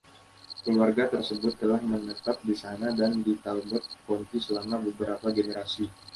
Keluarga tersebut telah menetap di sana dan di Talbot County selama beberapa generasi.